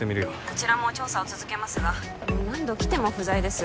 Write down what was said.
☎こちらも調査を続けますが何度来ても不在です